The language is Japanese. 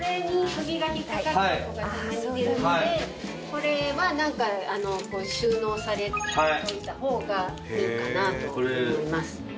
これは収納されといた方がいいかなと思います。